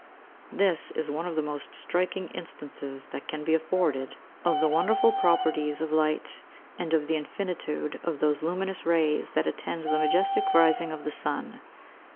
This is one of the most striking instances that can be afforded of the wonderful properties of light, and of the infinitude of those luminous rays that attend the majestic rising of the sun.